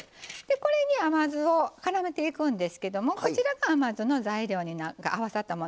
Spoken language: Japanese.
これに甘酢をからめていくんですけどもこちらが甘酢の材料が合わさったものになります。